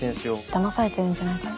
だまされてるんじゃないかな。